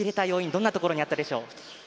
どういったところにあったでしょう。